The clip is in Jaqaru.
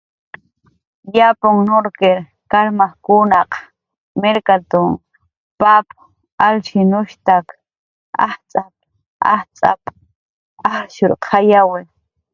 "Yapn nurkir karmajkunaq mirkatn pap alshinushstak ajtz'ap"" ajtz'ap"" ajrshuurqayawi."